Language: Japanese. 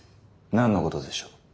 何のことでしょう？